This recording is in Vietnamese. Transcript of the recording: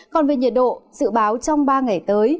còn về nhiệt độ dự báo trong ba ngày tới